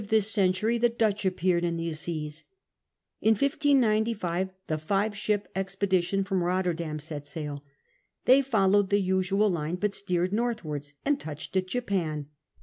this century the Dutch appeared in these seas. In 1595 the " Five Ship *' expedition from Rotterdam set sail ; they followed the usual line, but steered northwaitis and touched at Japan.